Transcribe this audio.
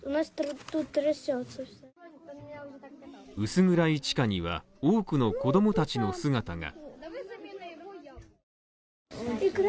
薄暗い地下には多くの子供たちの姿が。